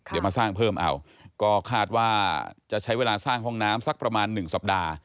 เดี๋ยวมาสร้างเพิ่มเอาก็คาดว่าจะใช้เวลาสร้างห้องน้ำสักประมาณ๑สัปดาห์